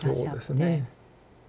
そうですね。